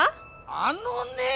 あのねぇ！